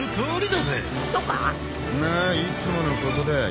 まあいつものことだ。